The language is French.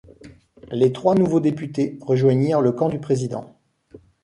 Les trois nouveaux députés rejoignirent le camp du président.